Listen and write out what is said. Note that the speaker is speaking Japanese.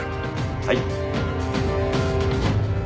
はい。